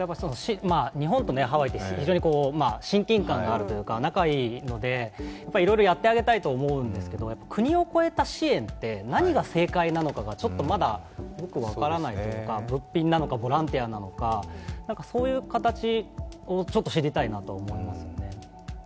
日本とハワイって非常に親近感があるというか仲がいいので、いろいろやってあげたいと思うんですけど、国を越えた支援って、何が正解なのかちょっとまだよく分からないというか物品なのか、ボランティアなのかそういう形を知りたいなと思いますよね。